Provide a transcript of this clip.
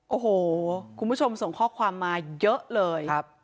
โอ้โหคุณผู้ชมส่งข้อความมาเยอะเลย